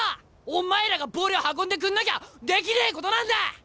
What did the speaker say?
お前らがボール運んでくんなきゃできねえことなんだ！